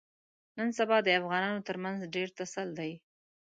نن سبا د افغانانو ترمنځ ډېر ټسل دی.